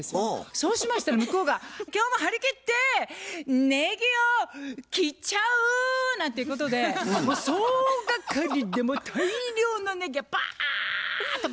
そうしましたら向こうが「今日も張り切ってねぎを切っちゃう！」なんていうことでもう総掛かりでもう大量のねぎをバーッとこう切って頂くわけです。